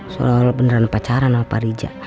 seolah olah beneran pacaran sama pak rija